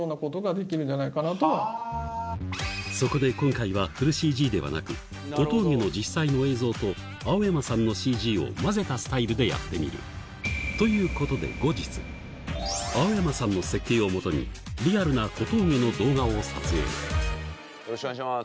そこで今回はフルＣＧではなく小峠の実際の映像と青山さんのＣＧを混ぜたスタイルでやってみるということで後日青山さんの設計をもとにリアルな小峠の動画を撮影よろしくお願いします。